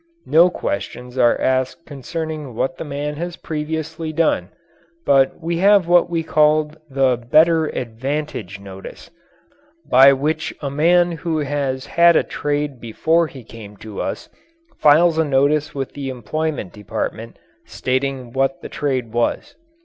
No questions are asked concerning what the man has previously done, but we have what we call the "Better Advantage Notice," by which a man who has had a trade before he came to us files a notice with the employment department stating what the trade was.